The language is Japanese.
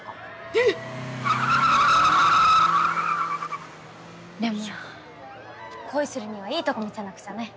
えっ⁉でも恋するにはいいとこ見せなくちゃね。